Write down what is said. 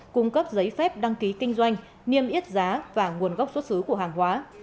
cung cấp giấy phép đăng ký kinh doanh niêm yết giá và nguồn gốc xuất xứ của hàng hóa